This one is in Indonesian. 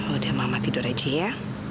udah mama tidur aja ya